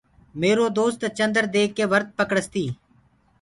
ميرو دوست چندر ديک ڪي ورت پڪڙستي۔